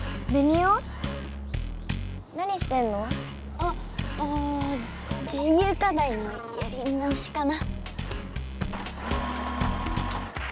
ああ自由課題のやり直しかな。